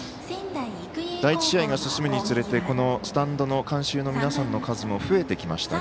第１試合が進むにつれてスタンドの観衆の皆さんの数も増えてきました。